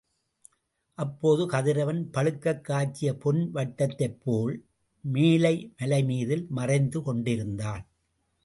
அப்போது கதிரவன் பழுக்கக் காய்ச்சிய பொன் வட்டத்தைப்போல் மேலை மலைமீதில் மறைந்து கொண்டிருந்தான்.